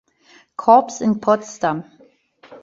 Korps in Potsdam.